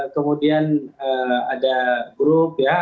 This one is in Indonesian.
kemudian ada grup ya